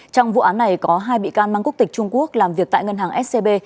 trong vụ án này có hai bị can mang quốc tịch trung quốc làm việc tại ngân hàng scb